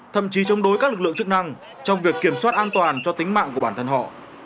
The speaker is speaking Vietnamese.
thậm chí chống đối các lực lượng chức năng trong việc kiểm soát an toàn cho tính mạng của bản thân họ